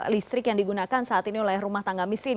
listrik yang digunakan saat ini oleh rumah tangga miskin